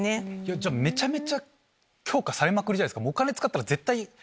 じゃあめちゃめちゃ強化されまくりじゃないですか。